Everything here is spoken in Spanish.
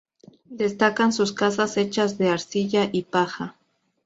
Destacan sus casas hechas de arcilla y paja.